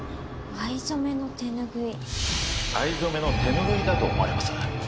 藍染めの手拭いだと思われます。